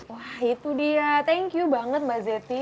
wah itu dia thank you banget mbak zeti